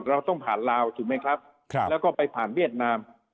เราต้องผ่านลาวถูกไหมครับแล้วก็ไปผ่านเวียดนาม